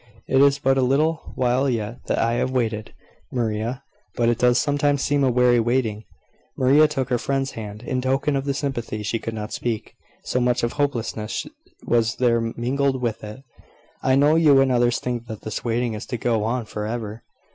It is but a little while yet that I have waited, Maria; but it does sometimes seem a weary waiting." Maria took her friend's hand, in token of the sympathy she could not speak, so much of hopelessness was there mingled with it. "I know you and others think that this waiting is to go on for ever."